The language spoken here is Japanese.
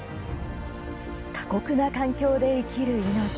過酷な環境で生きる命。